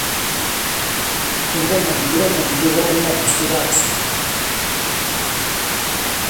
Durante su cargo mantuvo una postura pro-ruso.